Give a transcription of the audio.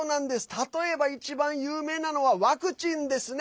例えば一番、有名なのがはワクチンですね。